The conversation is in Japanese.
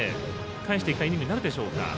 返していきたいイニングになるでしょうか。